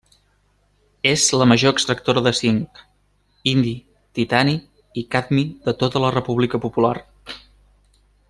És la major extractora de cinc, indi, titani i cadmi de tota la República Popular.